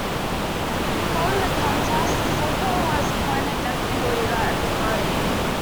Following the contest, Silipo was appointed deputy leader of the party.